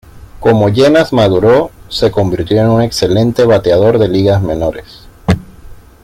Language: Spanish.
Como Llenas maduró, se convirtió en un excelente bateador de ligas menores.